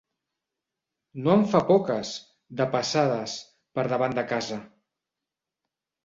No en fa poques, de passades, per davant de casa!